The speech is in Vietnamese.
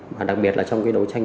và đặc biệt là trong cái đấu tranh